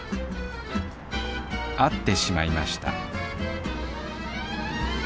会ってしまいました